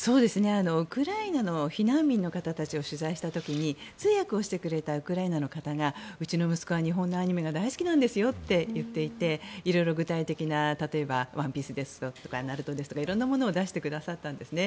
ウクライナの避難民の方たちを取材した時に通訳をしてくれたウクライナの方がうちの息子は日本のアニメが大好きなんですよって言っていて色々具体的な「ＯＮＥＰＩＥＣＥ」ですとか「ＮＡＲＵＴＯ」ですとか色んなものを出してくださったんですね。